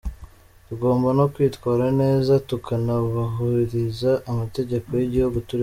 Tugomba no kwitwara neza, tukanubahiriza amategeko y’Igihugu turimo.